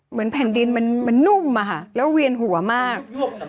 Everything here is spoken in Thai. แผ่นดินมันนุ่มอะค่ะแล้วเวียนหัวมาก